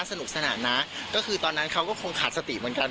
สนุกสนานนะก็คือตอนนั้นเขาก็คงขาดสติเหมือนกัน